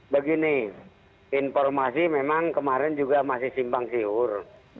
begini informasi memang kemarin juga masih simpang siur